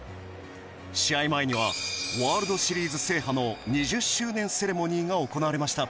試合前にはワールドシリーズ制覇の２０周年セレモニーが行われました。